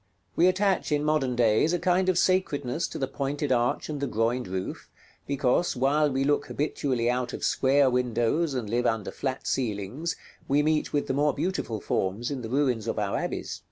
We attach, in modern days, a kind of sacredness to the pointed arch and the groined roof, because, while we look habitually out of square windows and live under flat ceilings, we meet with the more beautiful forms in the ruins of our abbeys.